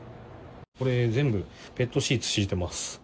全部、ペットシーツを敷いています。